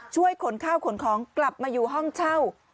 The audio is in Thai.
ช่วยขนข้าวขนของกลับมาอยู่ห้องเช่า